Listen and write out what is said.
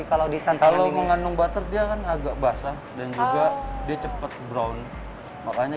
kalau disantalo mengandung butter dia kan agak basah dan juga dia cepet brown makanya